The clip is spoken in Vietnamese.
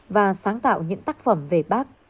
và sáng tạo những tác phẩm về bác